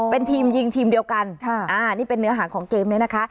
เป็นทีมยิงทีมเดียวกันนี่เป็นเนื้อหาของเกมนี้นะคะ